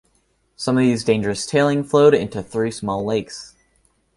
Some of these dangerous tailing flowed into three small lakes.